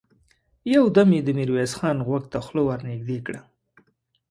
يودم يې د ميرويس خان غوږ ته خوله ور نږدې کړه!